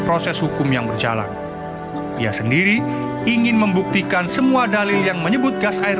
proses hukum yang berjalan ia sendiri ingin membuktikan semua dalil yang menyebut gas air